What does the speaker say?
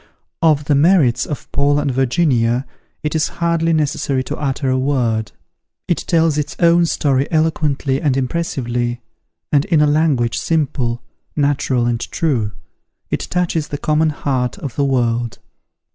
Of the merits of "Paul and Virginia," it is hardly necessary to utter a word; it tells its own story eloquently and impressively, and in a language simple, natural and true, it touches the common heart of the world.